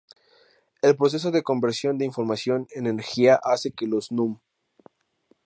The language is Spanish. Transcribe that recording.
El proceso de conversión de información en energía hace que los núm.